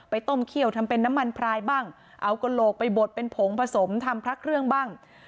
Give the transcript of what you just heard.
ต้มเขี้ยวทำเป็นน้ำมันพรายบ้างเอากระโหลกไปบดเป็นผงผสมทำพระเครื่องบ้าง